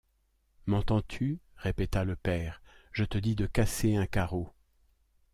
M’entends-tu? répéta le père, je te dis de casser un carreau!